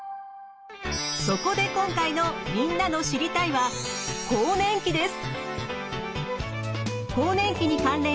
そこで今回のみんなの「知りたい！」は「更年期」です。